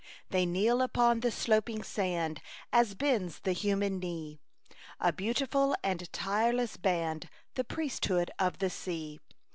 They kneel upon the sloping sand, as bends the human knee, A beautiful and tireless band, the priesthood of the sea.